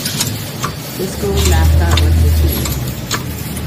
The school's mascot was the Chiefs.